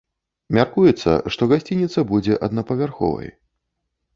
Мяркуецца, што гасцініца будзе аднапавярховай.